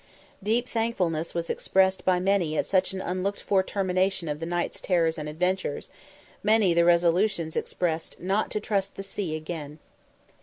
Deep thankfulness was expressed by many at such an unlooked for termination of the night's terrors and adventures; many the resolutions expressed not to trust the sea again.